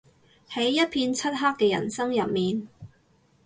喺一片漆黑嘅人生入面